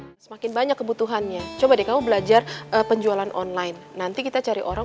hai semakin banyak kebutuhannya coba deh kamu belajar penjualan online nanti kita cari orang